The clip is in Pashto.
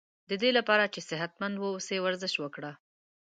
ددی لپاره چی صحت مند و اوسی ورزش وکړه